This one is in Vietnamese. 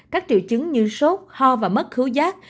các triệu chứng như sốt ho và mất hữu giác